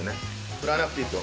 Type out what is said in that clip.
振らなくていいと。